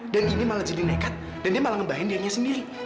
dan indi malah jadi nekat dan dia malah ngebahen dia sendiri